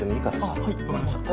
あっはい分かりました。